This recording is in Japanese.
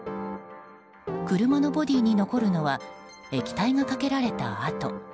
車のボディーに残るのは液体がかけられた跡。